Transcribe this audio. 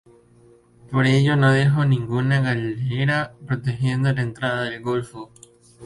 Por ello, no dejó ninguna galera protegiendo la entrada del golfo.